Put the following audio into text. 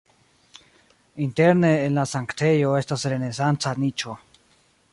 Interne en la sanktejo estas renesanca niĉo.